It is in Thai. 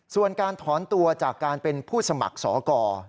ส่วนการถอนตัวจากการเป็นผู้สมัครสอกร